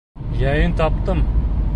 Яйын таптым.